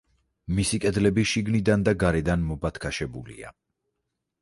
მისი კედლები შიგნიდან და გარედან მობათქაშებულია.